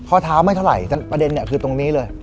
ข้อเท้าไม่เท่าไหร่แต่ประเด็นเนี่ยคือตรงนี้เลย